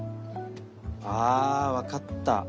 あ分かった。